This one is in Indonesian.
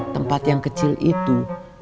tempat yang kecil itu